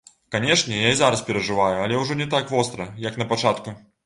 Канешне, я і зараз перажываю, але ўжо не так востра, як на пачатку.